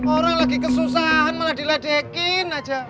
orang lagi kesusahan malah diladekin aja